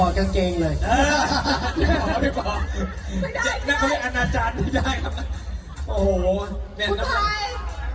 เด่นคุณที่ของจริงอยู่นี้